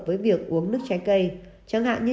với việc uống nước trái cây chẳng hạn như